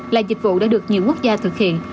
là dịch vụ đã được nhiều quốc gia thực hiện